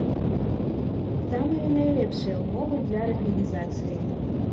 Самыя найлепшыя ўмовы для арганізацыі.